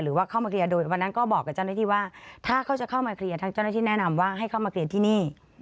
หรือว่าเข้ามาเคลียร์โดยวันนั้นก็บอกกับเจ้าหน้าที่ว่าถ้าเขาจะเข้ามาเคลียร์ทางเจ้าหน้าที่แนะนำว่าให้เข้ามาเคลียร์ที่นี่